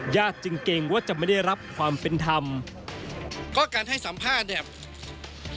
จึงเกรงว่าจะไม่ได้รับความเป็นธรรมก็การให้สัมภาษณ์เนี่ย